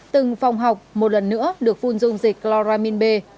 từng phòng học một lần nữa được phun dung dịch chloramin b